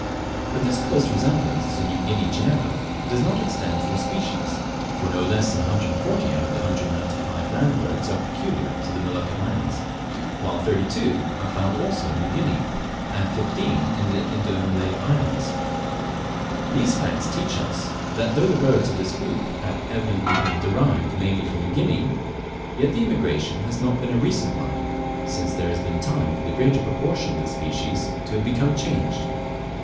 But this close resemblance to New Guinea genera does not extend to the species, for no less than 140 out of the 195 land birds are peculiar to the Moluccan islands, while 32 are found also in New Guinea, and 15 in the Indo Malay islands. These facts teach us, that though the birds of this group have evidently been derived mainly from New Guinea, yet the immigration has not been a recent one, since there has been time for the greater portion of the species to have become changed.